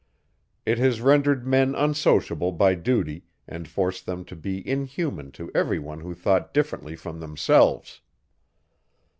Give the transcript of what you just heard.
It has rendered men unsociable by duty, and forced them to be inhuman to everyone who thought differently from themselves.